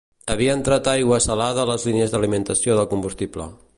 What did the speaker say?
Havia entrat aigua salada a les línies d'alimentació del combustible.